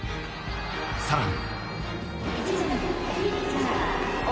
さらに。